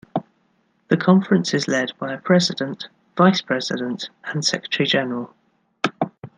The conference is led by a president, vice president, and secretary-general.